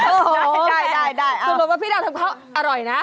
โอ้โหได้ได้ได้สมมุติว่าพี่ดาวทำข้าวอร่อยน่ะ